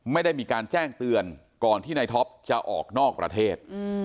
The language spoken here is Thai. ไม่ได้มีการแจ้งเตือนก่อนที่นายท็อปจะออกนอกประเทศ